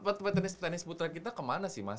itu petenis petenis putri kita kemana sih mas